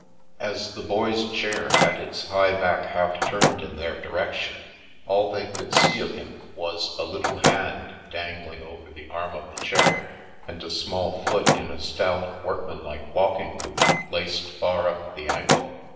As the Boy's chair had its high back half turned in their direction, all they could see of him was a little hand dangling over the arm of the chair, and a small foot in a stout, workmanlike walking boot, laced far up the ankle.